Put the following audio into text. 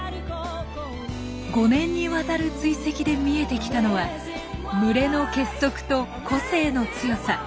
５年にわたる追跡で見えてきたのは群れの結束と個性の強さ。